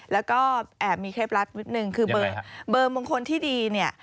แล้วก็แอบมีเคล็ดลับนิดนึงคือเบอร์มงคลที่ดีเนี่ย